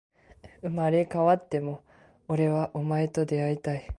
生まれ変わっても、俺はお前と出会いたい